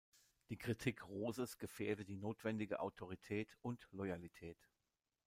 Die Kritik Roses gefährde die notwendige Autorität und Loyalität.